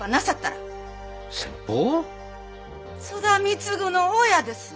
津田貢の親です。